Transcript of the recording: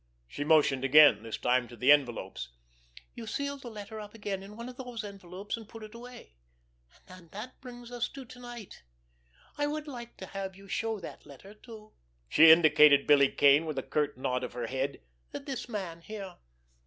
She motioned again—this time to the envelopes. "You sealed the letter up again, in one of those envelopes and put it away. And that brings us to to night. I would like to have you show that letter to"—she indicated Billy Kane with a curt nod of her head—"this man here."